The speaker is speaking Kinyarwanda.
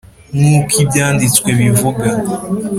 nk'uko Ibyanditswe bivuga.